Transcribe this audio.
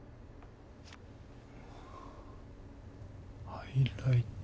ハイライト。